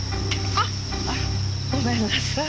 あごめんなさい。